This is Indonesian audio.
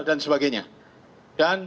dan sebagainya dan